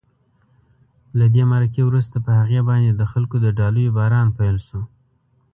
له دې مرکې وروسته په هغې باندې د خلکو د ډالیو باران پیل شو.